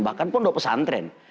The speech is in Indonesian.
bahkan pun pesantren